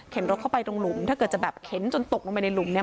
รถเข้าไปตรงหลุมถ้าเกิดจะแบบเข็นจนตกลงไปในหลุมเนี่ย